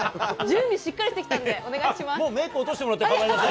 準備しっかりしてきてるんで、お願いします。